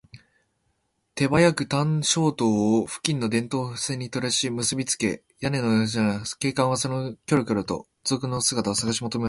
手早く探照燈を付近の電燈線にむすびつけ、屋根の上を照らしはじめたのです。警官たちは、その真昼のような光の中で、キョロキョロと賊の姿をさがしもとめました。